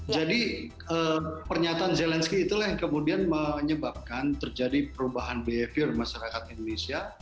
jadi pernyataan zelensky itulah yang kemudian menyebabkan terjadi perubahan behavior masyarakat indonesia